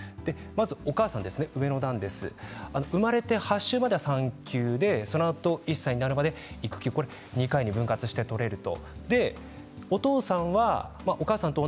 お母さん、上の段です生まれて８週までは産休でそのあと１歳になるまで育休２回に分割して取れると。